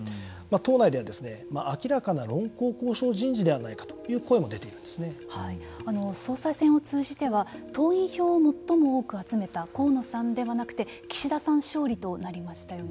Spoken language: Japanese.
党内では明らかな論功行賞人事ではないかという声も総裁選を通じては党員票を最も多く集めた河野さんではなくて岸田さん勝利となりましたよね。